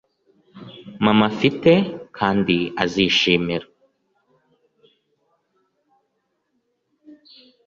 mama afite kandi azishimira